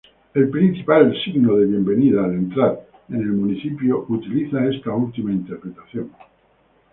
El principal signo de bienvenida al entrar en el municipio utiliza esta última interpretación.